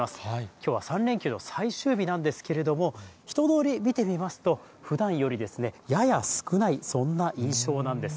きょうは３連休の最終日なんですけれども、人通り見てみますと、ふだんよりやや少ない、そんな印象なんです。